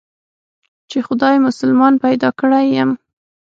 چې خداى مسلمان پيدا کړى يم.